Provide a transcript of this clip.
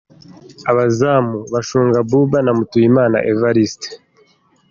Abazamu: Bashunga Abouba na Mutuyimana Evariste.